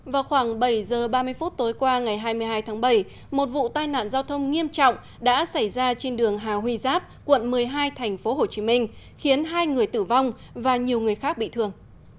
vào khoảng bảy h ba mươi phút tối qua ngày hai mươi hai tháng bảy một vụ tai nạn giao thông nghiêm trọng đã xảy ra trên đường hà huy giáp quận một mươi hai tp hcm khiến hai người tử vong và nhiều người khác bị thương